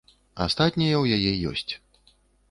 Астатняе ў яе ёсць.